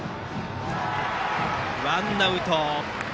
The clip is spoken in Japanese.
ワンアウト。